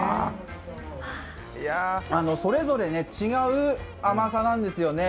それぞれ、違う甘さなんですよね。